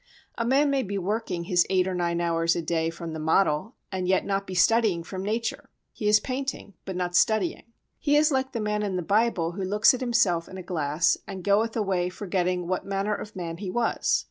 A man may be working his eight or nine hours a day from the model and yet not be studying from nature. He is painting but not studying. He is like the man in the Bible who looks at himself in a glass and goeth away forgetting what manner of man he was.